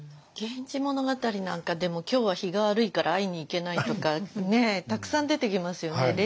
「源氏物語」なんかでも今日は日が悪いから会いに行けないとかねたくさん出てきますよね。